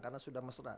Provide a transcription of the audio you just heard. karena sudah mesra